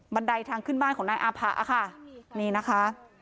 ไดทางขึ้นบ้านของนายอาผะค่ะนี่นะคะ